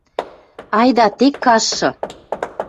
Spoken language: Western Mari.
— Айда, тек каштшы!